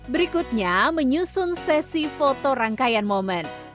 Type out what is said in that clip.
berikutnya menyusun sesi foto rangkaian momen